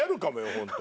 ホント。